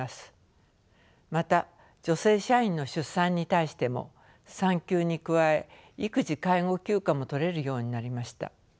また女性社員の出産に対しても産休に加え育児介護休暇も取れるようになりました。